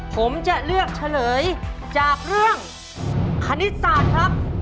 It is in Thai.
ผมจะเลือกเฉลยจากเรื่องคณิตศาสตร์ครับ